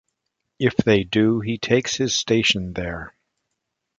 If they do, he takes his station there.